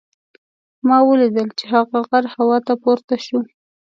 ما ولیدل چې هغه غر هوا ته پورته شو.